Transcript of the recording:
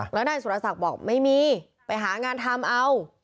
แล้วนายสุรศักดิ์บอกไม่มีไปหางานทำเอา